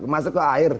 masuk ke air